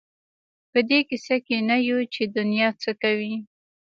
په دې کيسه کې نه یو چې دنیا څه کوي.